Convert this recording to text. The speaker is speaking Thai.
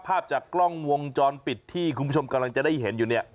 ภาพจากกล้องวงจรปิดที่คุณผู้ชมกำลังจะได้เห็นอยู่เนี่ย